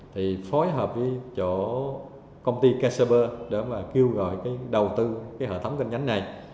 thì phối hợp với chỗ công ty kcerber để mà kêu gọi cái đầu tư cái hệ thống kênh nhánh này